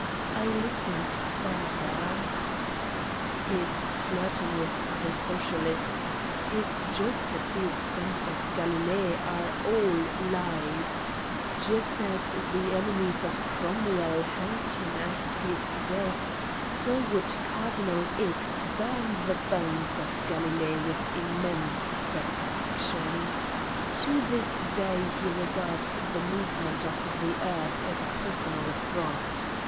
I listened further: "His flirting with the Socialists, his jokes at the expense of Galilee are all lies. Just as the enemies of Cromwell hanged him after his death, 68 Satan's Diary so would Cardinal X. burn the bones of Galilee with immense satisfaction : to this day he regards the movement of the earth as a personal affront.